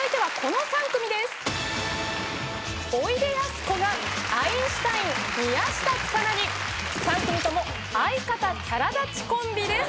続おいでやすこがアインシュタイン宮下草薙３組とも相方キャラ立ちコンビです